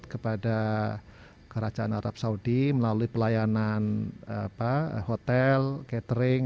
kepada kerajaan arab saudi melalui pelayanan hotel catering